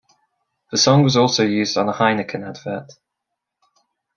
The song was also used on a Heineken Advert.